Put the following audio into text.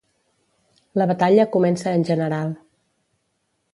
La batalla comença en general.